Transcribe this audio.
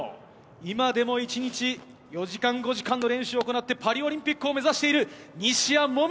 今でも１日４時間、５時間の練習を行って、パリオリンピックを目指している、西矢椛。